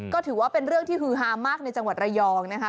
ก็ถือว่าเป็นเรื่องที่ฮือฮามากในจังหวัดระยองนะคะ